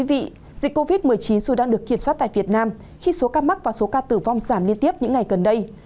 dịch covid một mươi chín dù đang được kiểm soát tại việt nam khi số ca mắc và số ca tử vong giảm liên tiếp những ngày gần đây